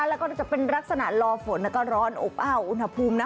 แล้วก็จะเป็นลักษณะรอฝนแล้วก็ร้อนอบอ้าวอุณหภูมินะ